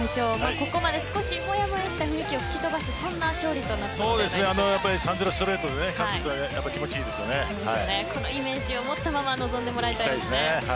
ここまで少しもやもやした雰囲気を吹き飛ばす３ー０、ストレートで勝つといいイメージを持ったまま臨んでもらいたいですね。